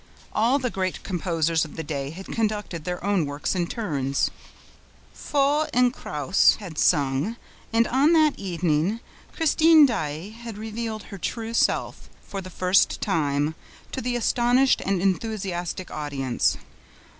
All the great composers of the day had conducted their own works in turns. Faure and Krauss had sung; and, on that evening, Christine Daae had revealed her true self, for the first time, to the astonished and enthusiastic audience.